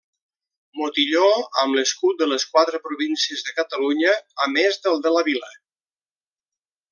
Modilló amb l'escut de les quatre províncies de Catalunya a més del de la Vila.